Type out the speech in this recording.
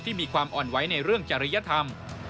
มีความอ่อนไว้ในเรื่องจริยธรรม